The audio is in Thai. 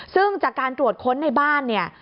ซึ่งจากการตรวจค้นในบ้าน